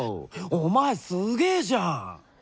お前すげじゃん！